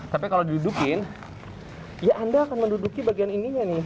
tapi kalau didudukin ya anda akan menduduki bagian ininya nih